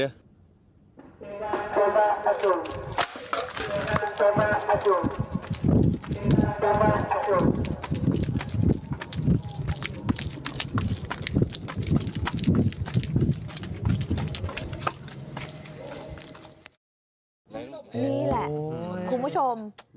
นี่แหละคุณผู้ชม